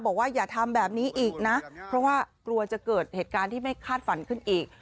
บอกว่าอย่าทำแบบนี้อีกนะเพราะว่ากลัวจะเกิดเหตุการณ์ที่ไม่คาดฝันขึ้นอีก